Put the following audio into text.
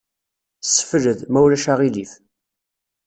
Ssefled, ma ulac aɣilif.